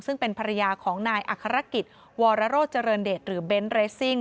ซึ่งเป็นภรรยาของนายอัครกิจวรโรเจริญเดชหรือเบนท์เรสซิ่ง